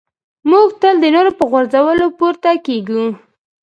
موږ تل د نورو په غورځولو پورته کېږو.